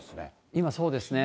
今、そうですね。